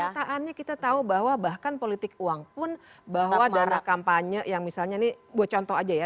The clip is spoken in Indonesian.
ketaannya kita tahu bahwa bahkan politik uang pun bahwa dana kampanye yang misalnya ini buat contoh aja ya